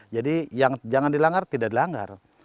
jadi yang jangan dilanggar tidak dilanggar